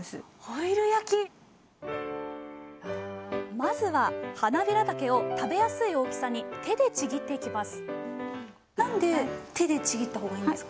まずははなびらたけを食べやすい大きさに手でちぎっていきます